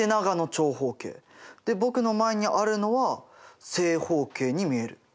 で僕の前にあるのは正方形に見える。